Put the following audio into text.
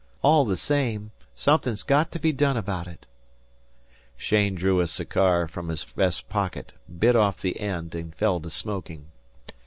All the same, something's got to be done about it." Cheyne drew a cigar from his vest pocket, bit off the end, and fell to smoking.